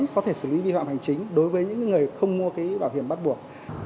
có thể xử lý vi phạm hành chính đối với những người không mua cái bảo hiểm bắt buộc